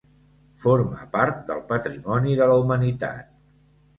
Forma part del Patrimoni de la Humanitat.